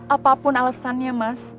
apapun alasannya mas